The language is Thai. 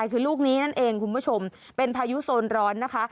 คือลูกนี้นั่นเองคุณผู้ชมเป็นพายุโซนร้อนนะคะ